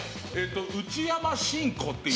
内山信子っていう。